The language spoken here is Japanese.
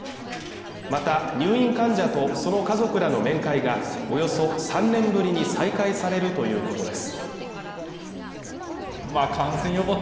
また、入院患者とその家族らの面会がおよそ３年ぶりに再開されるということです。